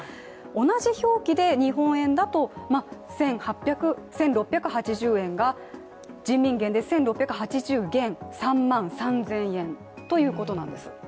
同じ表記で日本円だと１６８０円が、人民元で１６８０元、３万３０００円ということなんです。